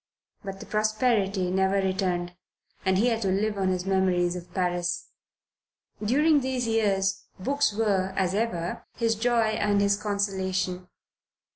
But the prosperity never returned, and he had to live on his memories of Paris. During these years books were, as ever, his joy and his consolation.